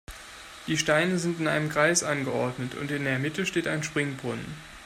Die Steine sind in einem Kreis angeordnet und in der Mitte steht ein Springbrunnen.